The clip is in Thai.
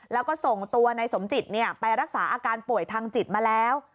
แล้วก็ส่งตัวนายสมจิตไปรักษาอาการป่วยทางจิตมาแล้ว